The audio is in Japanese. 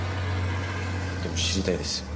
でも知りたいです。